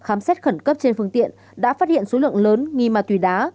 một cấp trên phương tiện đã phát hiện số lượng lớn nghi ma túy đá